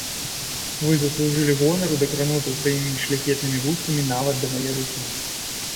Вы заслужылі гонару дакрануцца сваімі шляхетнымі вуснамі нават да мае рукі.